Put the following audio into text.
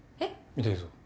見ていいぞ。